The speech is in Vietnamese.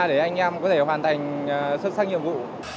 để anh em có thể hoàn thành xuất sắc nhiệm vụ